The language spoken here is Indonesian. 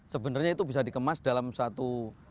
sebenarnya itu bisa dikemas dalam satu